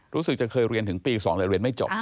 รู้สึกจะเคยเรียนถึงปี๒เลยเรียนไม่จบ